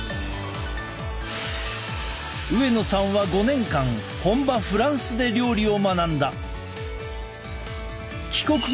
上野さんは５年間本場フランスで料理を学んだ。